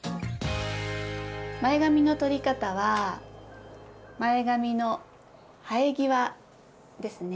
前髪のとり方は前髪の生え際ですね。